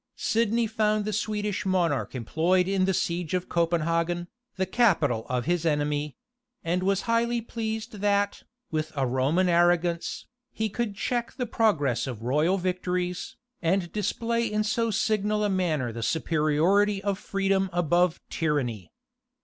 Sidney found the Swedish monarch employed in the siege of Copenhagen, the capital of his enemy; and was highly pleased that, with a Roman arrogance, he could check the progress of royal victories, and display in so signal a manner the superiority of freedom above tyranny.